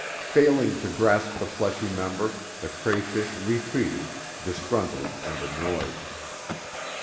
Failing to grasp the fleshy member, the crayfish retreated, disgruntled and annoyed.